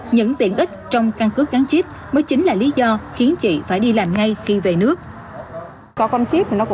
những tiện ích trong căn cước gắn chip mới chính là lý do khiến chị phải đi làm ngay khi về nước